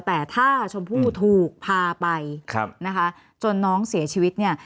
แต่ถ้าชมพู่ถูกพาไปนะคะจนน้องเสียชีวิตเนี่ย